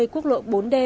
quốc lộ bốn d